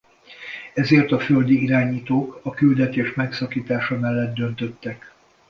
Ezért a földi irányítók a küldetés megszakítása mellett döntöttek.